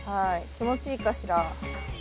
気持ちいいかしら。